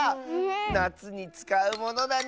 なつにつかうものだね。